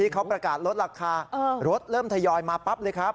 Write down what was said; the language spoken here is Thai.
เขาประกาศลดราคารถเริ่มทยอยมาปั๊บเลยครับ